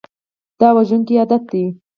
دا وژونکی عادت دی.